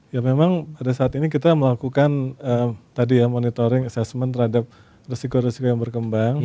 ya memang pada saat ini kita melakukan tadi ya monitoring assessment terhadap resiko resiko yang berkembang